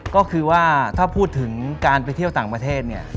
ก็คือว่าถ้าพูดถึงการไปเที่ยวต่างประเทศเนี่ย